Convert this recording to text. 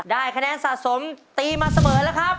ได้คะแนนสะสมตีมาเสมอแล้วครับ